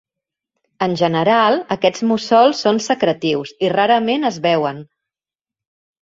En general, aquests mussols són secretius, i rarament es veuen.